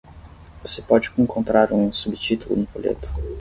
Você pode encontrar um subtítulo no folheto?